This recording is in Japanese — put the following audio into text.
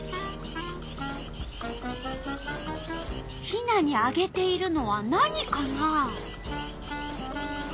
ヒナにあげているのは何かな？